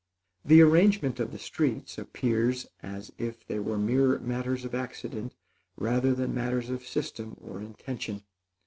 The arrangement of the streets appears as if they were mere matters of accident rather than matters of system or intention.